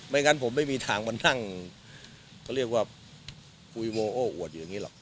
งั้นผมไม่มีทางมานั่งเขาเรียกว่าคุยโมโอ้อวดอยู่อย่างนี้หรอก